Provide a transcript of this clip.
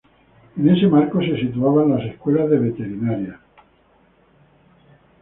En ese marco se situaban las Escuelas de Veterinaria.